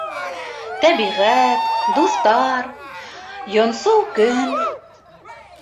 Тәбиғәт, дуҫтар, йонсоу көн...